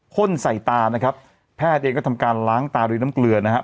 ่นใส่ตานะครับแพทย์เองก็ทำการล้างตาโดยน้ำเกลือนะฮะ